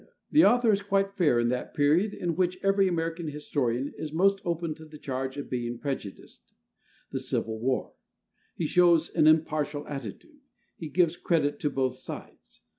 The author is quite fair in that period in which every American historian is most open to the charge of being prejudiced, the Civil War. He shows an impartial attitude; he gives credit to both sides.